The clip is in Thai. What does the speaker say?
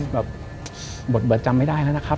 แบบบทจำไม่ได้แล้วนะครับ